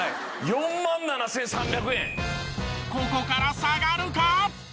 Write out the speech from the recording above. ここから下がるか！？